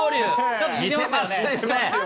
ちょっと似てますよね。